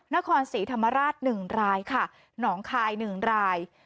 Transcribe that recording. นครศรีธรรมราชหนึ่งรายค่ะหนองคายหนึ่งราย